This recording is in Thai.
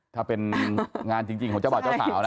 ถ้าเป็นงานจริงของเจ้าบ่าวเจ้าสาวนะ